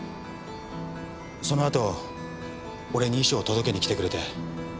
そのあと俺に遺書を届けに来てくれて。